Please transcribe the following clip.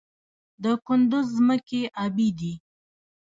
د کندز ځمکې ابي دي